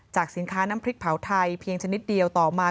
สินค้าน้ำพริกเผาไทยเพียงชนิดเดียวต่อมา